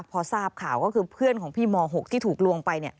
พอทราบข่าวก็คือเพื่อนของพี่ม๖ที่ถูกลวงไป